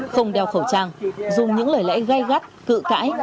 không đeo khẩu trang dùng những lời lẽ gai gắt cự cãi